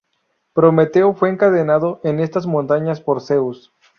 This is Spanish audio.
Prometeo fue encadenado en estas montañas por Zeus.